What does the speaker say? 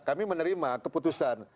kami menerima keputusan